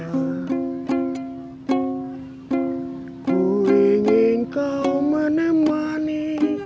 aku ingin kau menemani